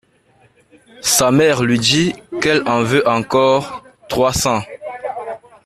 Sa mère lui dit qu'elle en veut encore trois cents.